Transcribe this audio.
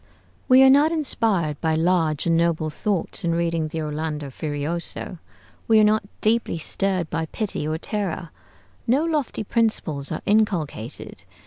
We are not inspired by large and noble thoughts in reading the 'Orlando Furioso.' We are not deeply stirred by pity or terror. No lofty principles are inculcated.